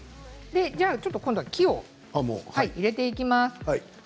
今度は木を入れていきます。